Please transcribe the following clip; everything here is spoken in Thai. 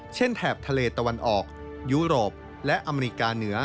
แถบทะเลตะวันออกยุโรปและอเมริกาเหนือ